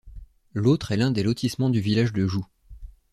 L'autre est l'un des lotissements du village de Joux.